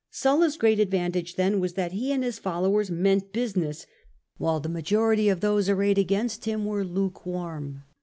Sulla's great advantage, then, was that he and his fol lowers meant business, while the majority of those arrayed against him were lukewarm.